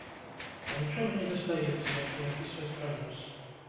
А нічога не застаецца, як перапісваць прагноз.